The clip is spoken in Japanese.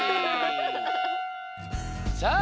さあ！